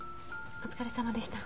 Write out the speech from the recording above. お疲れさまでした。